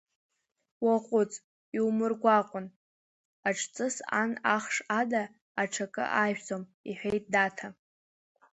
Уаҟәыҵ, иумыргәаҟын, аҽҵыс ан ахш ада аҽакы ажәӡом, — иҳәеит Даҭа.